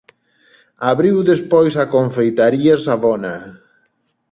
Abriu despois a Confeitaría Savona.